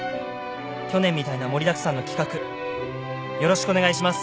「去年みたいな盛りだくさんの企画よろしくお願いします。